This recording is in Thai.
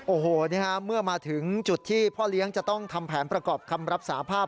โอ้โหนี่ฮะเมื่อมาถึงจุดที่พ่อเลี้ยงจะต้องทำแผนประกอบคำรับสาภาพ